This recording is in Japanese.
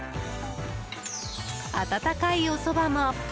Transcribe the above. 暖かいおそばも。